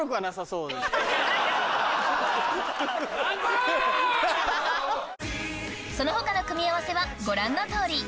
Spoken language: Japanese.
その他の組み合わせはご覧の通り